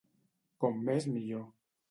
Com més millor.